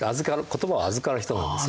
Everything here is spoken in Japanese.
言葉を預かる人なんですよ。